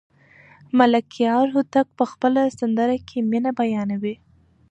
ملکیار هوتک په خپله سندره کې مینه بیانوي.